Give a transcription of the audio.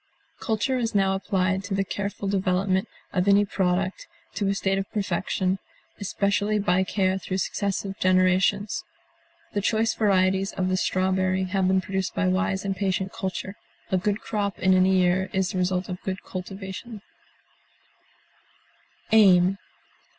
Culture is now applied to the careful development of any product to a state of perfection, especially by care through successive generations; the choice varieties of the strawberry have been produced by wise and patient culture; a good crop in any year is the result of good cultivation. AIM.